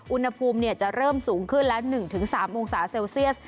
อุณหภูมิเนี่ยจะเริ่มสูงขึ้นละหนึ่งถึงสามองศาเซลเซียส